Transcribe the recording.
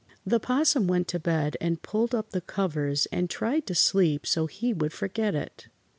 ] The 'Possum went to bed and pulled up the covers and tried to sleep so he would forget it.